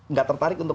nggak tertarik untuk